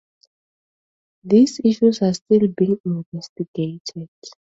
These issues are still being investigated.